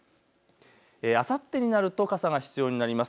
あさってになると傘が必要になります。